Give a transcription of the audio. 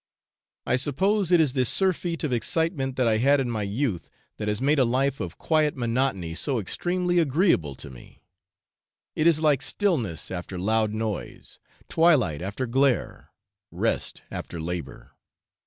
I suppose it is the surfeit of excitement that I had in my youth that has made a life of quiet monotony so extremely agreeable to me; it is like stillness after loud noise, twilight after glare, rest after labour.